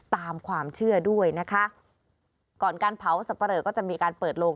ตามความเชื่อด้วยนะคะก่อนการเผาสับปะเหลอก็จะมีการเปิดโลง